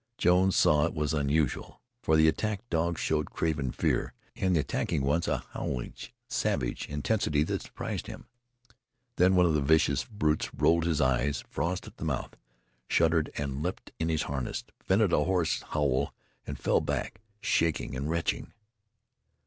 Jones saw it was unusual, for the attacked dogs showed craven fear, and the attacking ones a howling, savage intensity that surprised him. Then one of the vicious brutes rolled his eyes, frothed at the mouth, shuddered and leaped in his harness, vented a hoarse howl and fell back shaking and retching.